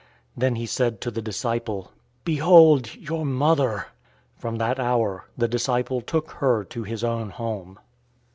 019:027 Then he said to the disciple, "Behold, your mother!" From that hour, the disciple took her to his own home.